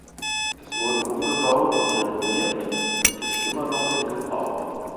Es wurde umgebaut und renoviert und ist immer noch in Gebrauch.